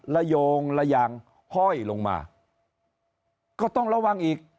โยงระยางห้อยลงมาก็ต้องระวังอีก